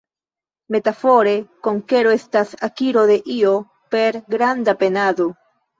Metafore konkero estas akiro de io per granda penado.